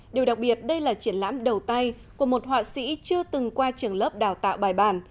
điều đặc biệt đây là triển lãm đầu tay của một họa sĩ chưa từng qua trường lớp đào tạo bài bản